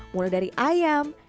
mulai dari ayam